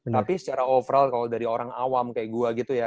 tapi secara overall kalau dari orang awam kayak gue gitu ya